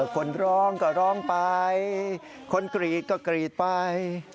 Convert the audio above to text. คนร้องก็ร้องไปคนกรีดก็กรีดไป